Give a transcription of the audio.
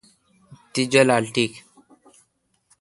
تی جولال ٹیک۔